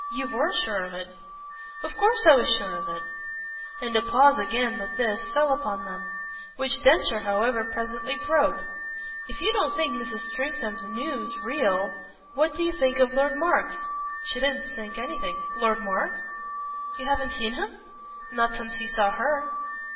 You WERE sure of it." "Of course I was sure of it." And a pause again, with this, fell upon them; which Densher, however, presently broke. "If you don't think Mrs. Stringham's news 'real' what do you think of Lord Mark's?" She didn't think anything. "Lord Mark's?" "You haven't seen him?" "Not since he saw her."